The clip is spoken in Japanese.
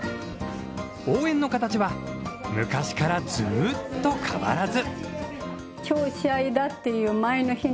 応援の形は、昔からずうっと変わらず。